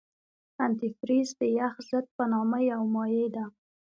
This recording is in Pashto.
انتي فریز د یخ ضد په نامه یو مایع ده.